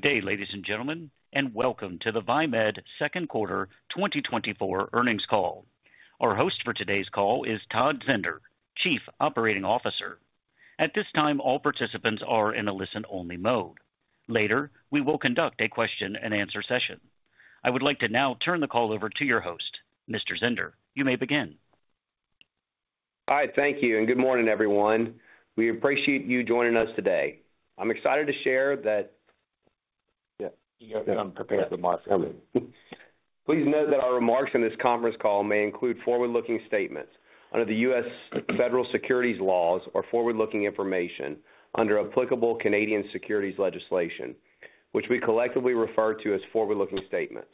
Good day, ladies and gentlemen, and welcome to the Viemed Second Quarter 2024 earnings call. Our host for today's call is Todd Zehnder, Chief Operating Officer. At this time, all participants are in a listen-only mode. Later, we will conduct a question-and-answer session. I would like to now turn the call over to your host. Mr. Zehnder, you may begin. Hi, thank you, and good morning, everyone. We appreciate you joining us today. I'm excited to share that... Yeah, I'm prepared for remarks coming. Please note that our remarks on this conference call may include forward-looking statements under the U.S. federal securities laws or forward-looking information under applicable Canadian securities legislation, which we collectively refer to as forward-looking statements.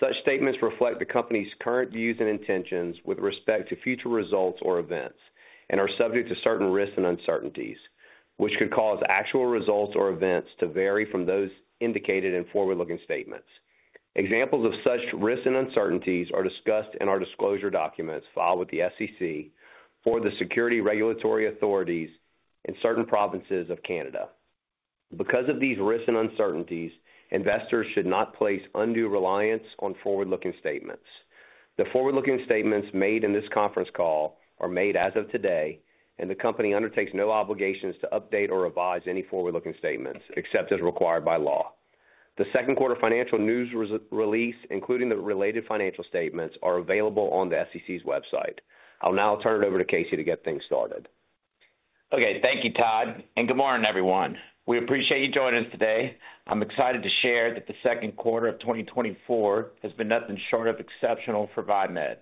Such statements reflect the company's current views and intentions with respect to future results or events, and are subject to certain risks and uncertainties, which could cause actual results or events to vary from those indicated in forward-looking statements. Examples of such risks and uncertainties are discussed in our disclosure documents filed with the SEC for the securities regulatory authorities in certain provinces of Canada. Because of these risks and uncertainties, investors should not place undue reliance on forward-looking statements. The forward-looking statements made in this conference call are made as of today, and the company undertakes no obligations to update or revise any forward-looking statements, except as required by law. The second quarter financial news release, including the related financial statements, are available on the SEC's website. I'll now turn it over to Casey to get things started. Okay, thank you, Todd, and good morning, everyone. We appreciate you joining us today. I'm excited to share that the second quarter of 2024 has been nothing short of exceptional for Viemed.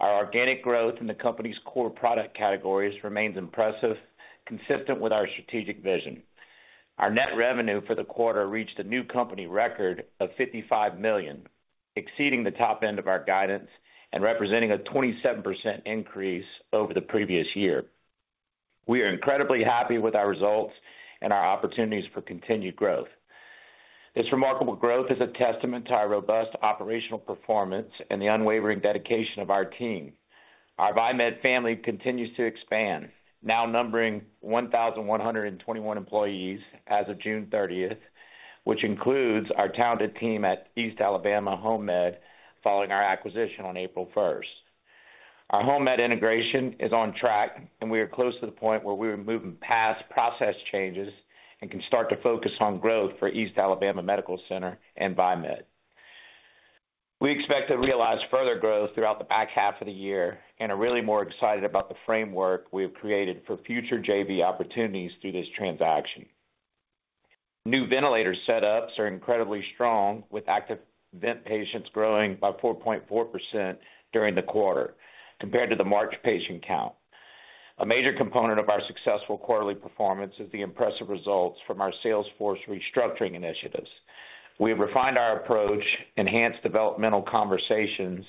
Our organic growth in the company's core product categories remains impressive, consistent with our strategic vision. Our net revenue for the quarter reached a new company record of $55 million, exceeding the top end of our guidance and representing a 27% increase over the previous year. We are incredibly happy with our results and our opportunities for continued growth. This remarkable growth is a testament to our robust operational performance and the unwavering dedication of our team. Our Viemed family continues to expand, now numbering 1,121 employees as of June 30th, which includes our talented team at East Alabama HomeMed, following our acquisition on April 1st. Our HomeMed integration is on track, and we are close to the point where we are moving past process changes and can start to focus on growth for East Alabama Medical Center and Viemed. We expect to realize further growth throughout the back half of the year and are really more excited about the framework we have created for future JV opportunities through this transaction. New ventilator setups are incredibly strong, with active vent patients growing by 4.4% during the quarter compared to the March patient count. A major component of our successful quarterly performance is the impressive results from our sales force restructuring initiatives. We have refined our approach, enhanced developmental conversations,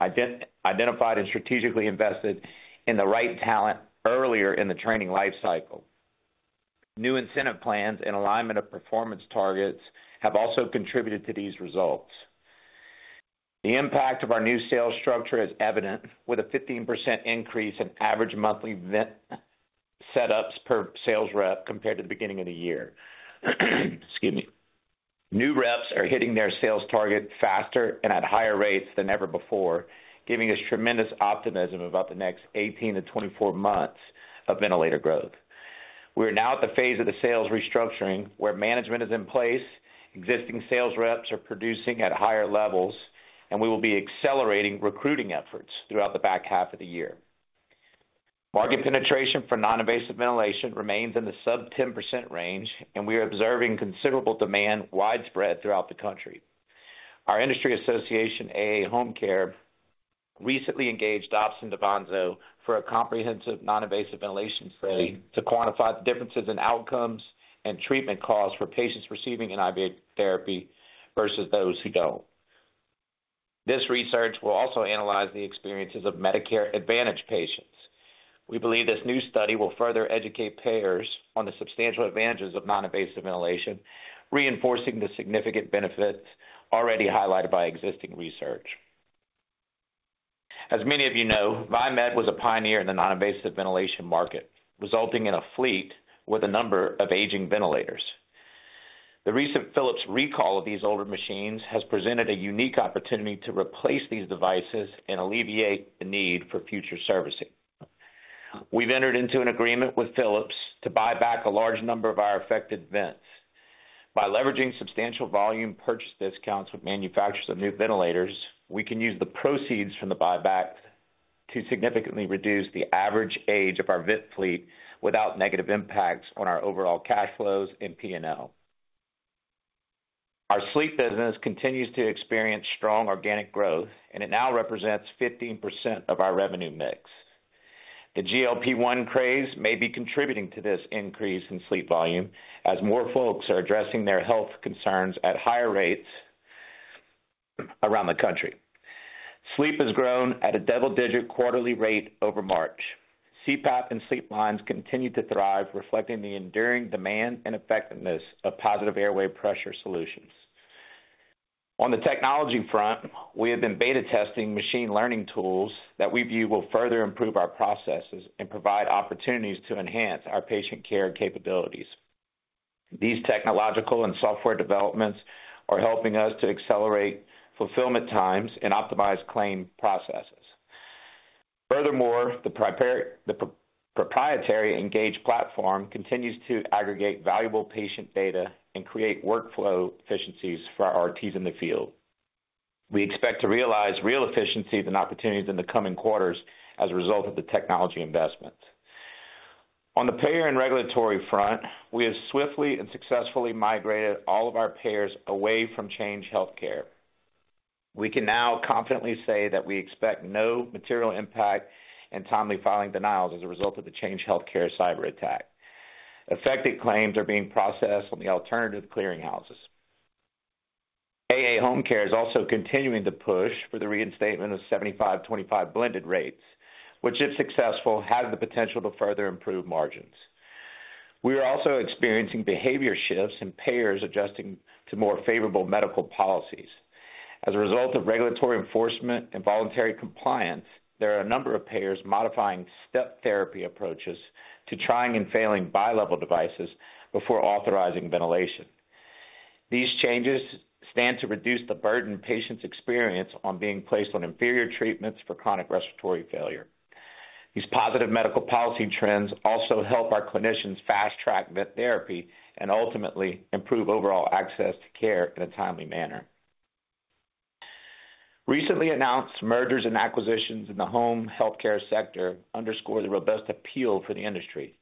identified and strategically invested in the right talent earlier in the training life cycle. New incentive plans and alignment of performance targets have also contributed to these results. The impact of our new sales structure is evident, with a 15% increase in average monthly vent setups per sales rep compared to the beginning of the year. Excuse me. New reps are hitting their sales target faster and at higher rates than ever before, giving us tremendous optimism about the next 18-24 months of ventilator growth. We are now at the phase of the sales restructuring, where management is in place, existing sales reps are producing at higher levels, and we will be accelerating recruiting efforts throughout the back half of the year. Market penetration for non-invasive ventilation remains in the sub-10% range, and we are observing considerable demand widespread throughout the country. Our industry association, AAHomecare, recently engaged Dobson DaVanzo for a comprehensive non-invasive ventilation study to quantify the differences in outcomes and treatment costs for patients receiving an NIV therapy versus those who don't. This research will also analyze the experiences of Medicare Advantage patients. We believe this new study will further educate payers on the substantial advantages of non-invasive ventilation, reinforcing the significant benefits already highlighted by existing research. As many of you know, Viemed was a pioneer in the non-invasive ventilation market, resulting in a fleet with a number of aging ventilators. The recent Philips recall of these older machines has presented a unique opportunity to replace these devices and alleviate the need for future servicing. We've entered into an agreement with Philips to buy back a large number of our affected vents. By leveraging substantial volume purchase discounts with manufacturers of new ventilators, we can use the proceeds from the buyback to significantly reduce the average age of our vent fleet without negative impacts on our overall cash flows in P&L. Our sleep business continues to experience strong organic growth, and it now represents 15% of our revenue mix. The GLP-1 craze may be contributing to this increase in sleep volume as more folks are addressing their health concerns at higher rates around the country. Sleep has grown at a double-digit quarterly rate over March. CPAP and sleep lines continue to thrive, reflecting the enduring demand and effectiveness of positive airway pressure solutions. On the technology front, we have been beta testing machine learning tools that we view will further improve our processes and provide opportunities to enhance our patient care capabilities. These technological and software developments are helping us to accelerate fulfillment times and optimize claim processes. Furthermore, the proprietary Engage platform continues to aggregate valuable patient data and create workflow efficiencies for our RTs in the field. We expect to realize real efficiencies and opportunities in the coming quarters as a result of the technology investment. On the payer and regulatory front, we have swiftly and successfully migrated all of our payers away from Change Healthcare. We can now confidently say that we expect no material impact in timely filing denials as a result of the Change Healthcare cyberattack. Affected claims are being processed on the alternative clearinghouses. AAHomecare is also continuing to push for the reinstatement of 75/25 blended rates, which, if successful, have the potential to further improve margins. We are also experiencing behavior shifts and payers adjusting to more favorable medical policies. As a result of regulatory enforcement and voluntary compliance, there are a number of payers modifying step therapy approaches to trying and failing Bi-level devices before authorizing ventilation. These changes stand to reduce the burden patients experience on being placed on inferior treatments for chronic respiratory failure. These positive medical policy trends also help our clinicians fast-track vent therapy and ultimately improve overall access to care in a timely manner. Recently announced mergers and acquisitions in the home healthcare sector underscore the robust appeal for the industry.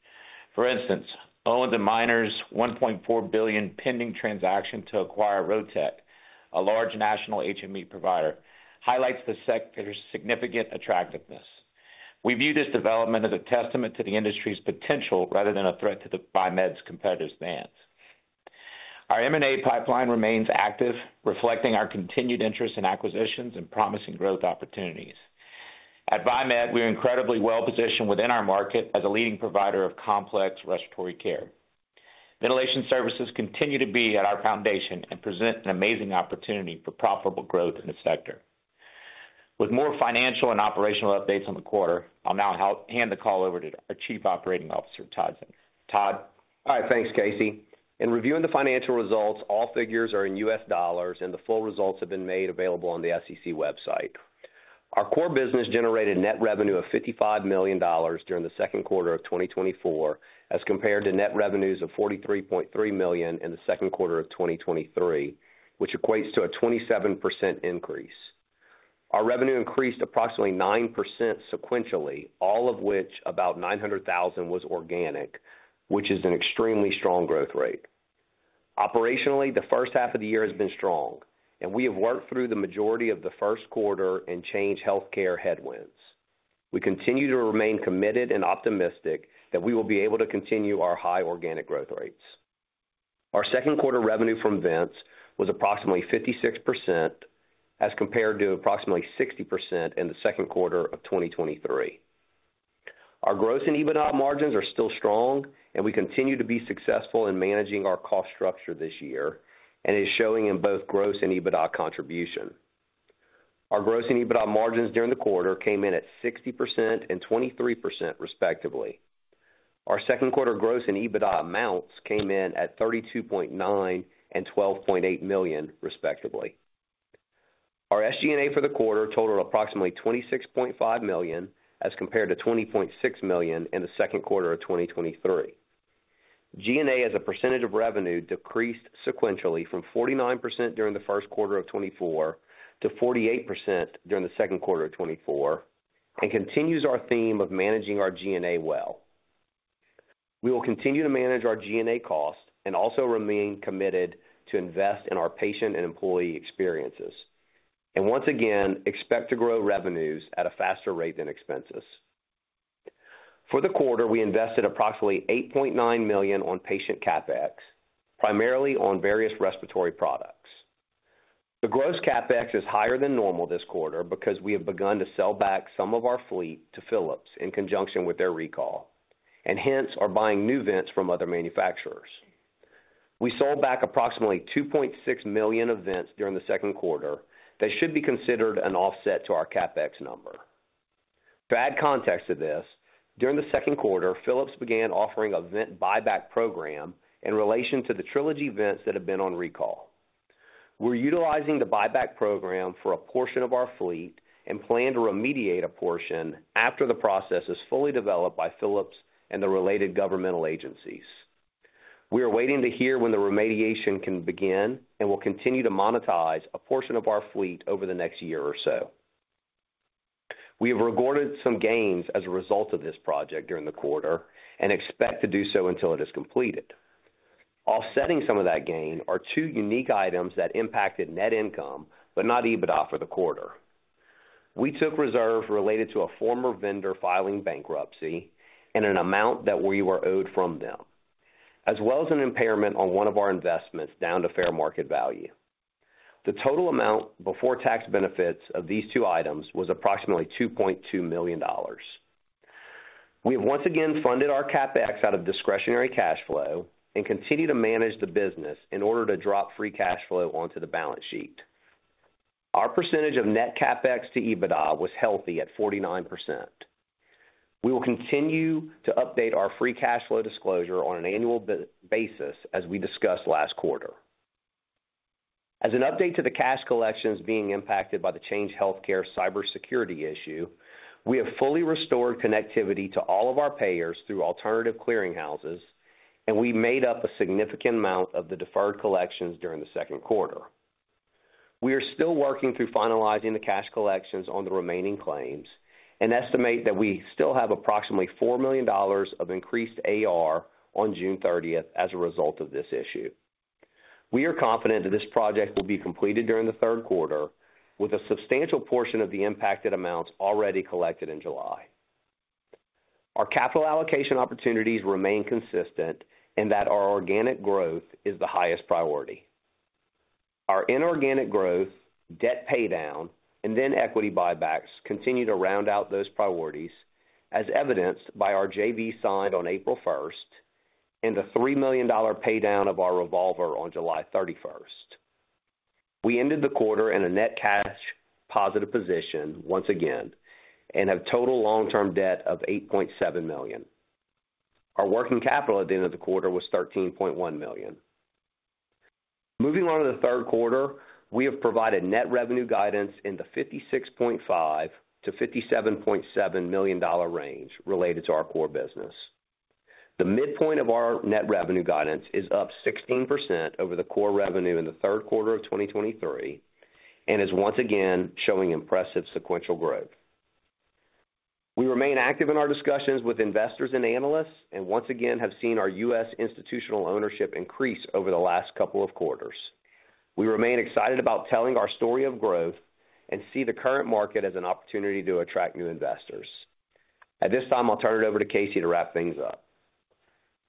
For instance, Owens & Minor's $1.4 billion pending transaction to acquire Rotech, a large national HME provider, highlights the sector's significant attractiveness. We view this development as a testament to the industry's potential rather than a threat to the Viemed's competitive stance. Our M&A pipeline remains active, reflecting our continued interest in acquisitions and promising growth opportunities. At Viemed, we are incredibly well-positioned within our market as a leading provider of complex respiratory care. Ventilation services continue to be at our foundation and present an amazing opportunity for profitable growth in the sector. With more financial and operational updates on the quarter, I'll now hand the call over to our Chief Operating Officer, Todd Zehnder. Todd? Hi. Thanks, Casey. In reviewing the financial results, all figures are in US dollars, and the full results have been made available on the SEC website. Our core business generated net revenue of $55 million during the second quarter of 2024, as compared to net revenues of $43.3 million in the second quarter of 2023, which equates to a 27% increase. Our revenue increased approximately 9% sequentially, all of which about $900,000 was organic, which is an extremely strong growth rate. Operationally, the first half of the year has been strong, and we have worked through the majority of the first quarter in Change Healthcare headwinds. We continue to remain committed and optimistic that we will be able to continue our high organic growth rates. Our second quarter revenue from vents was approximately 56%, as compared to approximately 60% in the second quarter of 2023. Our gross and EBITDA margins are still strong, and we continue to be successful in managing our cost structure this year, and is showing in both gross and EBITDA contribution. Our gross and EBITDA margins during the quarter came in at 60% and 23%, respectively. Our second quarter gross and EBITDA amounts came in at $32.9 million and $12.8 million, respectively. Our SG&A for the quarter totaled approximately $26.5 million, as compared to $20.6 million in the second quarter of 2023. G&A, as a percentage of revenue, decreased sequentially from 49% during the first quarter of 2024 to 48% during the second quarter of 2024, and continues our theme of managing our G&A well. We will continue to manage our G&A costs and also remain committed to invest in our patient and employee experiences, and once again, expect to grow revenues at a faster rate than expenses. For the quarter, we invested approximately $8.9 million on patient CapEx, primarily on various respiratory products. The gross CapEx is higher than normal this quarter because we have begun to sell back some of our fleet to Philips in conjunction with their recall, and hence, are buying new vents from other manufacturers. We sold back approximately $2.6 million of vents during the second quarter. That should be considered an offset to our CapEx number. To add context to this, during the second quarter, Philips began offering a vent buyback program in relation to the Trilogy vents that have been on recall. We're utilizing the buyback program for a portion of our fleet and plan to remediate a portion after the process is fully developed by Philips and the related governmental agencies. We are waiting to hear when the remediation can begin, and will continue to monetize a portion of our fleet over the next year or so. We have recorded some gains as a result of this project during the quarter and expect to do so until it is completed. Offsetting some of that gain are two unique items that impacted net income, but not EBITDA for the quarter. We took reserves related to a former vendor filing bankruptcy in an amount that we were owed from them, as well as an impairment on one of our investments down to fair market value. The total amount before tax benefits of these two items was approximately $2.2 million. We have once again funded our CapEx out of discretionary cash flow and continue to manage the business in order to drop free cash flow onto the balance sheet. Our percentage of net CapEx to EBITDA was healthy at 49%. We will continue to update our free cash flow disclosure on an annual basis, as we discussed last quarter. As an update to the cash collections being impacted by the Change Healthcare cybersecurity issue, we have fully restored connectivity to all of our payers through alternative clearinghouses, and we made up a significant amount of the deferred collections during the second quarter. We are still working through finalizing the cash collections on the remaining claims and estimate that we still have approximately $4 million of increased AR on June 30 as a result of this issue. We are confident that this project will be completed during the third quarter, with a substantial portion of the impacted amounts already collected in July. Our capital allocation opportunities remain consistent, in that our organic growth is the highest priority. Our inorganic growth, debt paydown, and then equity buybacks continue to round out those priorities, as evidenced by our JV signed on April 1 and a $3 million paydown of our revolver on July 31. We ended the quarter in a net cash positive position once again and have total long-term debt of $8.7 million. Our working capital at the end of the quarter was $13.1 million. Moving on to the third quarter, we have provided net revenue guidance in the $56.5 million-$57.7 million range related to our core business. The midpoint of our net revenue guidance is up 16% over the core revenue in the third quarter of 2023 and is once again showing impressive sequential growth. We remain active in our discussions with investors and analysts, and once again have seen our U.S. institutional ownership increase over the last couple of quarters. We remain excited about telling our story of growth and see the current market as an opportunity to attract new investors. At this time, I'll turn it over to Casey to wrap things up.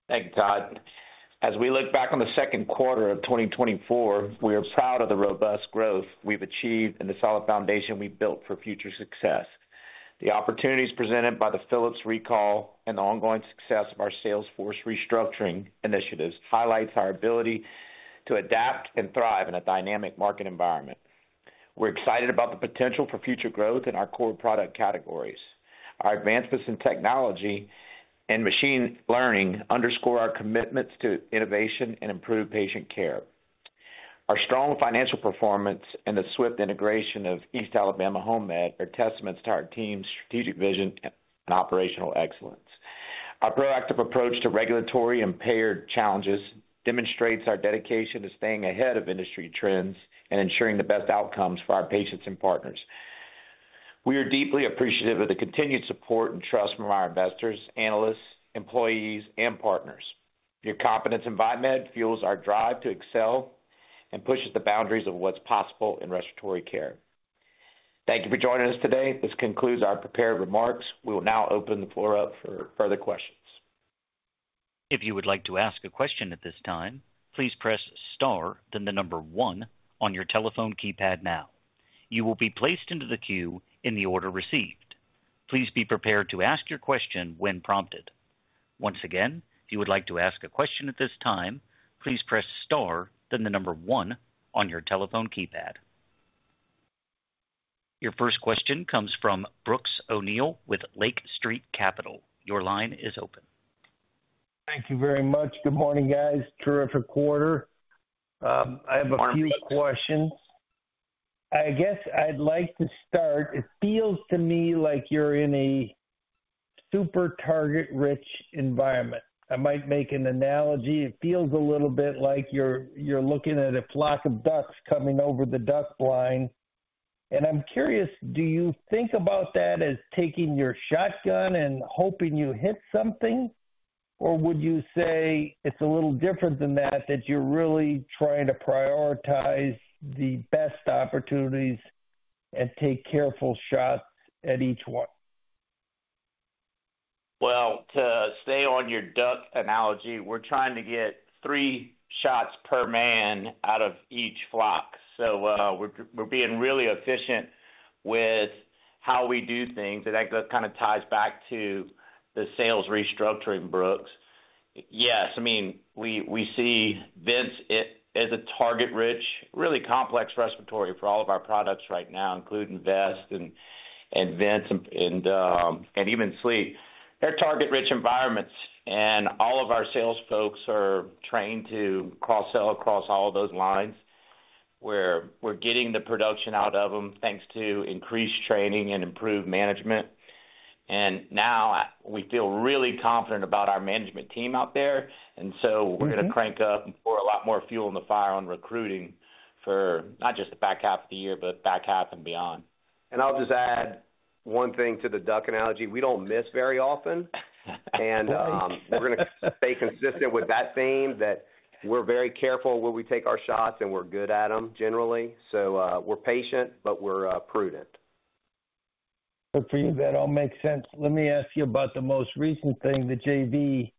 Thank you, Todd. As we look back on the second quarter of 2024, we are proud of the robust growth we've achieved and the solid foundation we've built for future success. The opportunities presented by the Philips recall and the ongoing success of our salesforce restructuring initiatives highlights our ability to adapt and thrive in a dynamic market environment. We're excited about the potential for future growth in our core product categories. Our advancements in technology and machine learning underscore our commitments to innovation and improved patient care. Our strong financial performance and the swift integration of East Alabama HomeMed are testaments to our team's strategic vision and operational excellence. Our proactive approach to regulatory and payer challenges demonstrates our dedication to staying ahead of industry trends and ensuring the best outcomes for our patients and partners. We are deeply appreciative of the continued support and trust from our investors, analysts, employees, and partners. Your confidence in Viemed fuels our drive to excel and pushes the boundaries of what's possible in respiratory care. Thank you for joining us today. This concludes our prepared remarks. We will now open the floor up for further questions. If you would like to ask a question at this time, please press star, then the number 1 on your telephone keypad now. You will be placed into the queue in the order received. Please be prepared to ask your question when prompted. Once again, if you would like to ask a question at this time, please press star, then the number 1 on your telephone keypad. Your first question comes from Brooks O'Neil with Lake Street Capital. Your line is open. Thank you very much. Good morning, guys. Terrific quarter. I have a few questions. I guess I'd like to start... It feels to me like you're in a super target-rich environment. I might make an analogy. It feels a little bit like you're looking at a flock of ducks coming over the duck blind. And I'm curious, do you think about that as taking your shotgun and hoping you hit something? Or would you say it's a little different than that, that you're really trying to prioritize the best opportunities and take careful shots at each one? Well, to stay on your duck analogy, we're trying to get three shots per man out of each flock. So, we're being really efficient with how we do things, and that kind of ties back to the sales restructuring, Brooks. Yes, I mean, we see vents as a target-rich, really complex respiratory for all of our products right now, including vests and vents and even sleep. They're target-rich environments, and all of our sales folks are trained to cross-sell across all those lines, where we're getting the production out of them, thanks to increased training and improved management. And now, we feel really confident about our management team out there, and so we're gonna crank up and pour a lot more fuel in the fire on recruiting for not just the back half of the year, but back half and beyond. And I'll just add one thing to the duck analogy: We don't miss very often. And, we're gonna stay consistent with that theme, that we're very careful where we take our shots, and we're good at them, generally. So, we're patient, but we're prudent. Good for you. That all makes sense. Let me ask you about the most recent thing, the JV....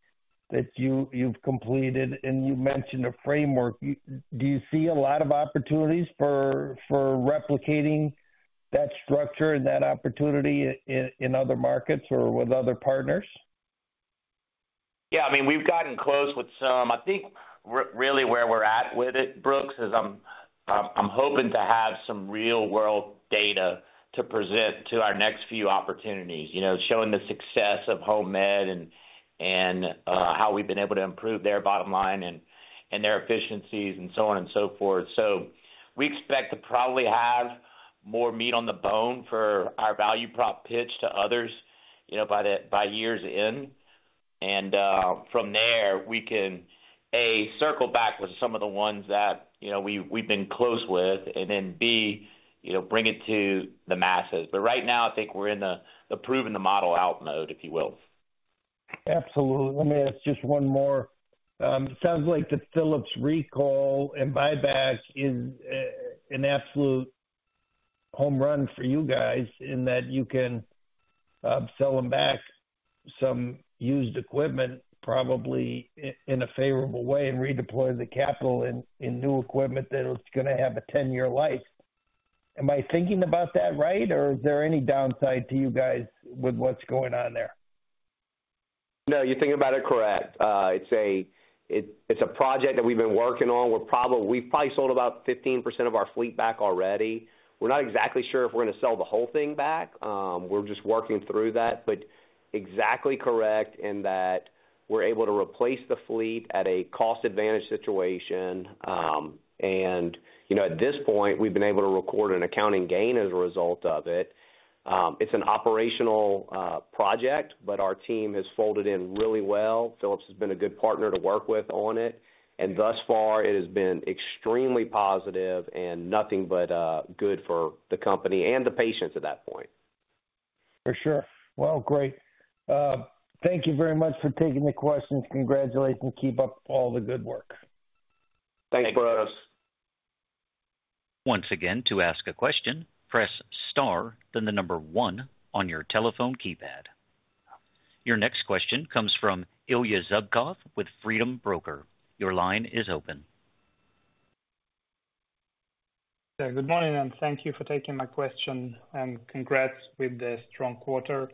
that you, you've completed, and you mentioned a framework. Do you see a lot of opportunities for, for replicating that structure and that opportunity in, in other markets or with other partners? Yeah, I mean, we've gotten close with some. I think really where we're at with it, Brooks, is I'm hoping to have some real-world data to present to our next few opportunities, you know, showing the success of HomeMed and how we've been able to improve their bottom line and their efficiencies and so on and so forth. So we expect to probably have more meat on the bone for our value prop pitch to others, you know, by year's end. And from there, we can, A, circle back with some of the ones that, you know, we've been close with, and then, B, you know, bring it to the masses. But right now, I think we're in the proving-the-model-out mode, if you will. Absolutely. Let me ask just one more. It sounds like the Philips recall and buyback is an absolute home run for you guys, in that you can sell them back some used equipment, probably in a favorable way, and redeploy the capital in new equipment that is gonna have a 10-year life. Am I thinking about that right, or is there any downside to you guys with what's going on there? No, you're thinking about it correct. It's a project that we've been working on. We're probably—we've probably sold about 15% of our fleet back already. We're not exactly sure if we're going to sell the whole thing back. We're just working through that, but exactly correct, in that we're able to replace the fleet at a cost advantage situation. And, you know, at this point, we've been able to record an accounting gain as a result of it. It's an operational project, but our team has folded in really well. Philips has been a good partner to work with on it, and thus far it has been extremely positive and nothing but good for the company and the patients at that point. For sure. Well, great. Thank you very much for taking the questions. Congratulations. Keep up all the good work. Thanks, Brooks. Once again, to ask a question, press star, then the number one on your telephone keypad. Your next question comes from Ilya Zubkov with Freedom Broker. Your line is open. Good morning, and thank you for taking my question, and congrats with the strong quarter.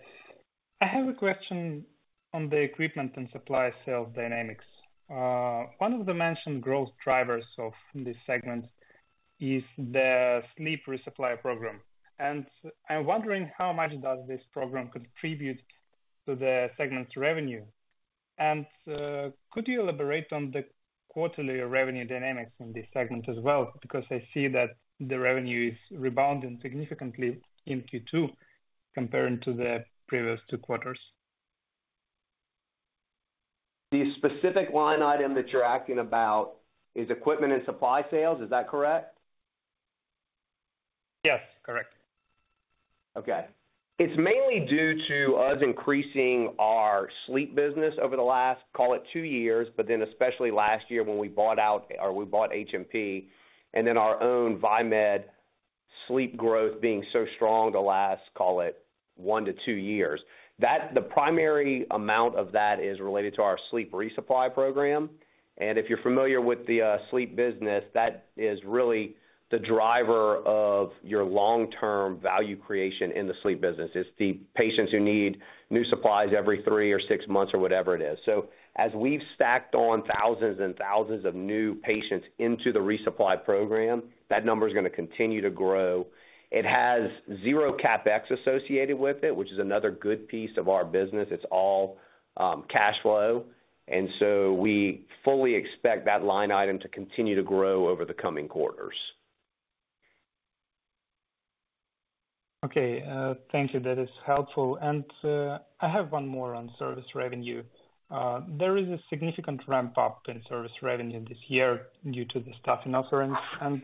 I have a question on the equipment and supply sales dynamics. One of the mentioned growth drivers of this segment is the sleep resupply program, and I'm wondering, how much does this program contribute to the segment's revenue? And, could you elaborate on the quarterly revenue dynamics in this segment as well? Because I see that the revenue is rebounding significantly in Q2 compared to the previous two quarters. The specific line item that you're asking about is equipment and supply sales. Is that correct? Yes, correct. Okay. It's mainly due to us increasing our sleep business over the last, call it, 2 years, but then especially last year when we bought out or we bought HMP and then our own Viemed sleep growth being so strong the last, call it, 1-2 years. That, the primary amount of that is related to our sleep resupply program. And if you're familiar with the sleep business, that is really the driver of your long-term value creation in the sleep business. It's the patients who need new supplies every 3 or 6 months or whatever it is. So as we've stacked on thousands and thousands of new patients into the resupply program, that number is gonna continue to grow. It has 0 CapEx associated with it, which is another good piece of our business. It's all, cash flow, and so we fully expect that line item to continue to grow over the coming quarters. Okay, thank you. That is helpful. And, I have one more on service revenue. There is a significant ramp-up in service revenue this year due to the staffing offerings, and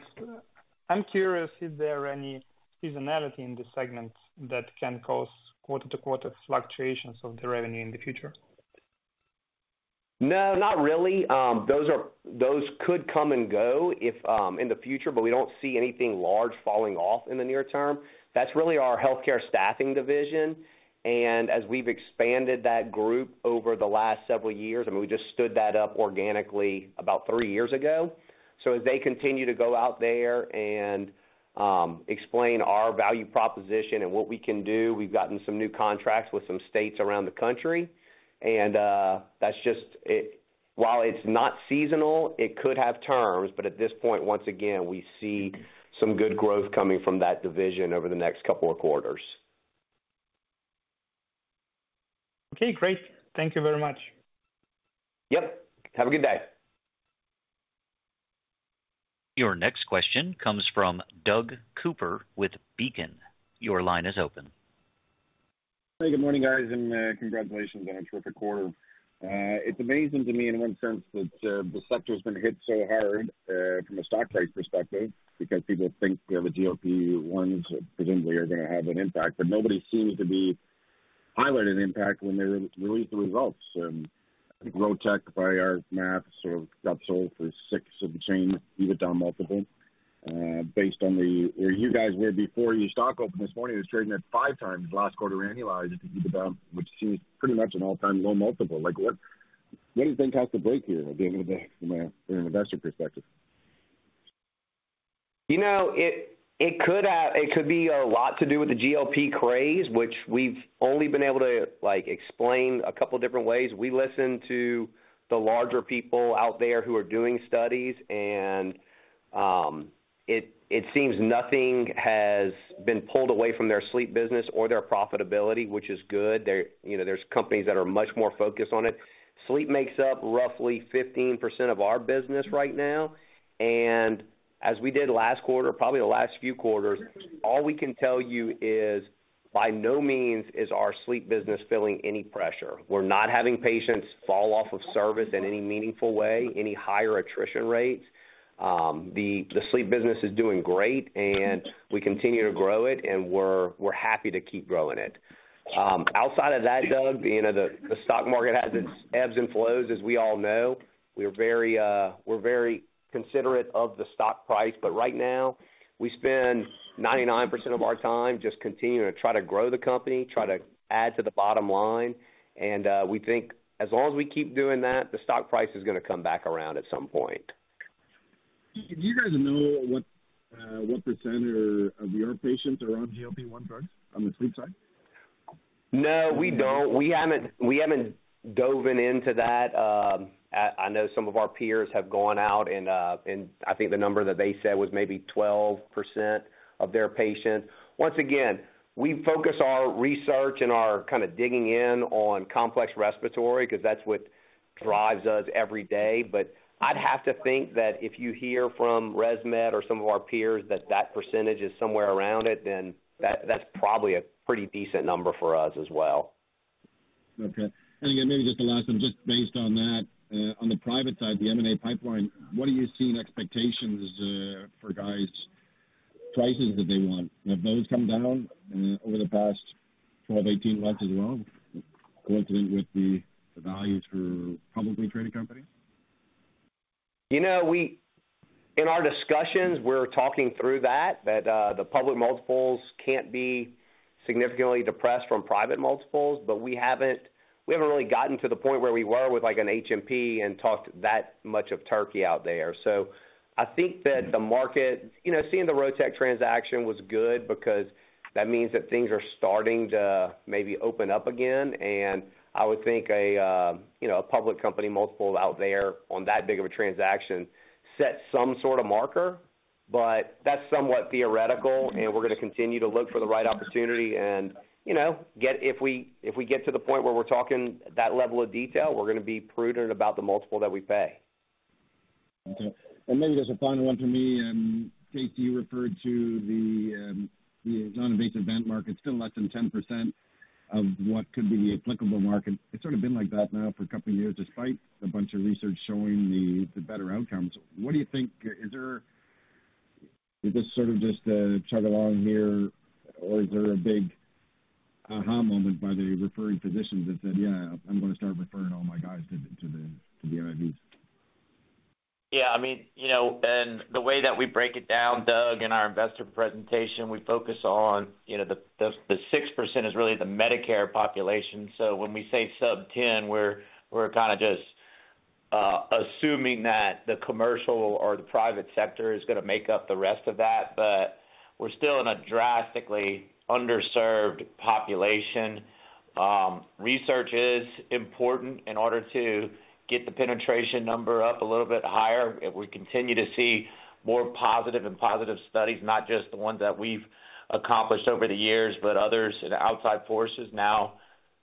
I'm curious, is there any seasonality in this segment that can cause quarter-to-quarter fluctuations of the revenue in the future? No, not really. Those could come and go if, in the future, but we don't see anything large falling off in the near term. That's really our healthcare staffing division, and as we've expanded that group over the last several years, I mean, we just stood that up organically about three years ago. So as they continue to go out there and explain our value proposition and what we can do, we've gotten some new contracts with some states around the country, and that's just it... While it's not seasonal, it could have terms, but at this point, once again, we see some good growth coming from that division over the next couple of quarters. Okay, great. Thank you very much. Yep, have a good day. Your next question comes from Doug Cooper with Beacon. Your line is open. Hey, good morning, guys, and congratulations on a terrific quarter. It's amazing to me in one sense that the sector's been hit so hard from a stock price perspective, because people think the proposed ones presumably are gonna have an impact, but nobody seems to be highlighting the impact when they release the results. I think Rotech, by our math, sort of got sold for 6x EBITDA, EV down multiple. Based on where you guys were before your stock opened this morning, it was trading at 5x last quarter annualized, about, which seems pretty much an all-time low multiple. Like, what has caused the break here at the end of the day, from an investor perspective? You know, it could be a lot to do with the GLP craze, which we've only been able to, like, explain a couple different ways. We listen to the larger people out there who are doing studies, and it seems nothing has been pulled away from their sleep business or their profitability, which is good. You know, there's companies that are much more focused on it. Sleep makes up roughly 15% of our business right now, and as we did last quarter, probably the last few quarters, all we can tell you is, by no means is our sleep business feeling any pressure. We're not having patients fall off of service in any meaningful way, any higher attrition rates. The sleep business is doing great, and we continue to grow it, and we're happy to keep growing it. Outside of that, Doug, you know, the stock market has its ebbs and flows, as we all know. We're very considerate of the stock price, but right now, we spend 99% of our time just continuing to try to grow the company, try to add to the bottom line, and we think as long as we keep doing that, the stock price is gonna come back around at some point. Do you guys know what % of your patients are on GLP-1 drugs on the sleep side? No, we don't. We haven't dove into that. I know some of our peers have gone out and I think the number that they said was maybe 12% of their patients. Once again, we focus our research and our kind of digging in on complex respiratory, 'cause that's what drives us every day. But I'd have to think that if you hear from ResMed or some of our peers that that percentage is somewhere around it, then that's probably a pretty decent number for us as well. Okay. And again, maybe just the last one, just based on that, on the private side, the M&A pipeline, what are you seeing expectations, for guys' prices that they want? Have those come down, over the past 12-18 months as well, coincident with the values for publicly traded companies? You know, we in our discussions, we're talking through that, that the public multiples can't be significantly depressed from private multiples, but we haven't, we haven't really gotten to the point where we were with, like, an HMP and talked that much of turkey out there. So I think that the market. You know, seeing the Rotech transaction was good because that means that things are starting to maybe open up again. And I would think a, you know, a public company multiple out there on that big of a transaction set some sort of marker, but that's somewhat theoretical, and we're gonna continue to look for the right opportunity. And, you know, get if we, if we get to the point where we're talking that level of detail, we're gonna be prudent about the multiple that we pay. Okay. And maybe just a final one for me. Casey, you referred to the non-invasive vent market, still less than 10% of what could be the applicable market. It's sort of been like that now for a couple of years, despite a bunch of research showing the better outcomes. What do you think, is there... Is this sort of just a chug along here, or is there a big aha moment by the referring physicians that said, "Yeah, I'm gonna start referring all my guys to the NIV? Yeah, I mean, you know, and the way that we break it down, Doug, in our investor presentation, we focus on, you know, the 6% is really the Medicare population. So when we say sub-10, we're kind of just assuming that the commercial or the private sector is gonna make up the rest of that, but we're still in a drastically underserved population. Research is important in order to get the penetration number up a little bit higher. If we continue to see more positive and positive studies, not just the ones that we've accomplished over the years, but others and outside forces now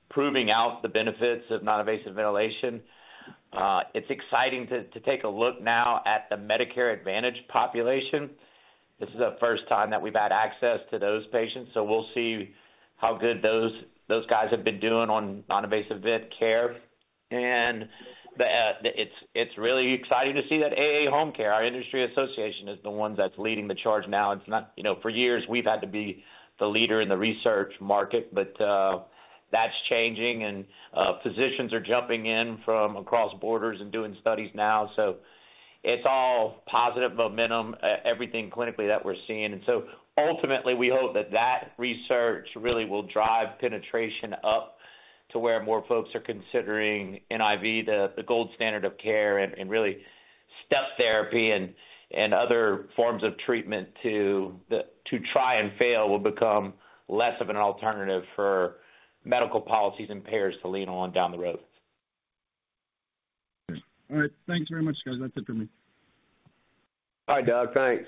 proving out the benefits of non-invasive ventilation. It's exciting to take a look now at the Medicare Advantage population. This is the first time that we've had access to those patients, so we'll see how good those, those guys have been doing on non-invasive vent care. And it's really exciting to see that AAHomeCare, our industry association, is the one that's leading the charge now. It's not, you know, for years, we've had to be the leader in the research market, but that's changing and physicians are jumping in from across borders and doing studies now. So it's all positive momentum, everything clinically that we're seeing. Ultimately, we hope that that research really will drive penetration up to where more folks are considering NIV the gold standard of care, and really step therapy and other forms of treatment to try and fail will become less of an alternative for medical policies and payers to lean on down the road. All right. Thanks very much, guys. That's it for me. Bye, Doug. Thanks.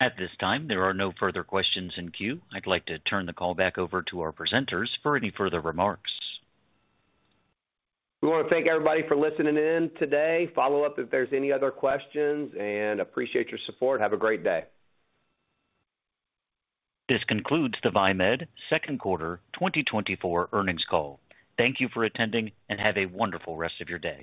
At this time, there are no further questions in queue. I'd like to turn the call back over to our presenters for any further remarks. We wanna thank everybody for listening in today. Follow up if there's any other questions, and appreciate your support. Have a great day. This concludes the Viemed second quarter 2024 earnings call. Thank you for attending, and have a wonderful rest of your day.